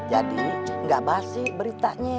jadi nggak basi beritanya